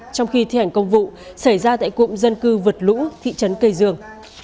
trong khi thi hành công vụ xảy ra tại cụm dân cư vượt lũ thị trấn cây dương